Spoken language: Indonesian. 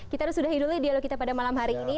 kita sudah hidup ideologi pada malam hari ini